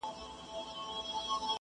ټینګې اړیکې ملاتړ برابروي.